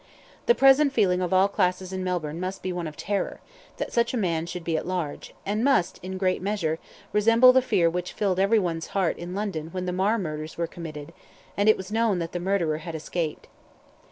The present feeling of all classes in Melbourne must be one of terror, that such a man should be at large, and must, in a great measure, resemble the fear which filled everyone's heart in London when the Marr murders were committed, and it was known that the murderer had escaped.